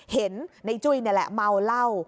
เห็นในจุ้ยนี่แหละเมาเหล้า